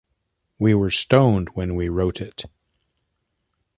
We were stoned when we wrote it.